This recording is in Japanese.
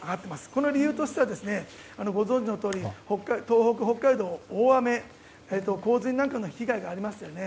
この理由としてはご存じのとおり東北・北海道は大雨・洪水の被害がありましたよね。